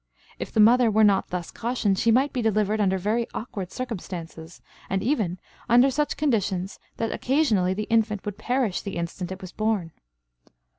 If the mother were not thus cautioned, she might be delivered under very awkward circumstances, and even under such conditions that occasionally the infant would perish the instant it was born.